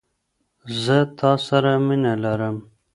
زه تاسره مینه لرم